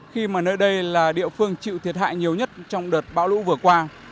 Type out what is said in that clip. khi mà nơi đây là địa phương chịu thiệt hại nhiều nhất trong đợt bão lũ vừa qua